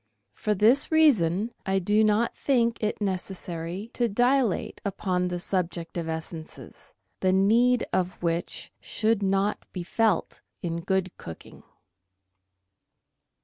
For this reason I do not think it necessary to dilate upon the subject of essences, the need of which should not be felt in good cooking.